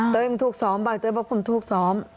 เต้ยมันถูกซ้อมบ้างเต้ยบอกว่าผมถูกซ้อม